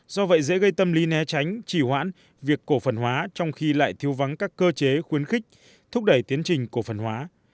do vậy dễ gây tâm lý né tránh chỉ hoãn việc cổ phần hóa trong khi lại thiếu vắng các cơ chế khuyến khích thúc đẩy tiến trình cổ phần hóa